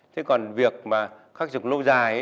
thế còn việc mà khắc phục lâu dài